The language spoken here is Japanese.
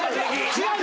違う！